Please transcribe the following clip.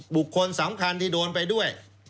บุคคลสำคัญที่โดนไปด้วย